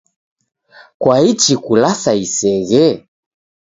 Kwaichi kulasa iseghe?